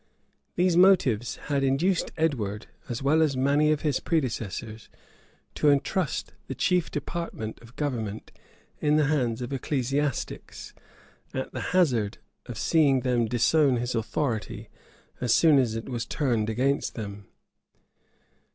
These motives had induced Edward, as well as many of his predecessors, to intrust the chief departments of government in the hands of ecclesiastics; at the hazard of seeing them disown his authority as soon as it was turned against them.